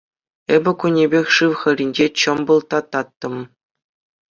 Эпӗ кунӗпех шыв хӗрринче чӑмпӑлтататтӑм.